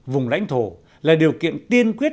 vùng lãnh thổ là điều kiện tiên quyết